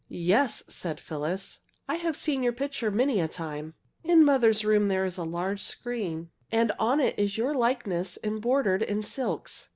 "Yes," said Phyllis, "I have seen your picture many a time. In mother's room is a large screen and on it is your likeness embroidered in silks.